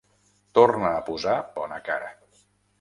Torna a posar bona cara.